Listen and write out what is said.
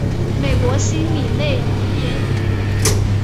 美国心理类型应用中心在互联网上公开了这些描述的精简版本。